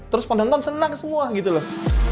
terus pendonton seneng semua gitu loh